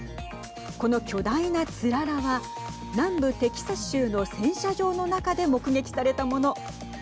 この巨大なつららは南部テキサス州の洗車場の中で目撃されたもの。